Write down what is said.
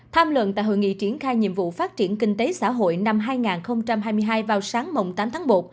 tham luận tại hội nghị triển khai nhiệm vụ phát triển kinh tế xã hội năm hai nghìn hai mươi hai vào sáng tám tháng một